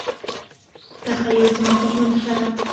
تخیل زموږ د ژوند ریښه ده.